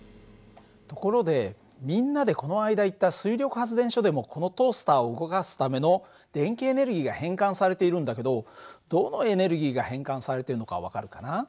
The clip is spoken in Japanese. ところでみんなでこの間行った水力発電所でもこのトースターを動かすための電気エネルギーが変換されているんだけどどのエネルギーが変換されてるのか分かるかな？